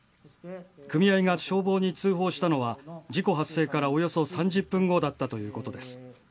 組合が消防に通報したのは事故発生からおよそ３０分後だったということです。